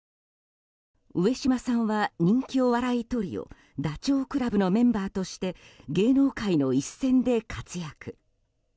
上島さんは人気お笑いトリオダチョウ倶楽部のメンバーとして芸能界の一線で活躍。